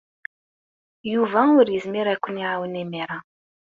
Yuba ur yezmir ad ken-iɛawen imir-a.